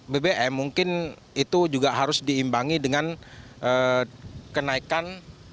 bbm mungkin itu juga harus diimbangi dengan kenaikan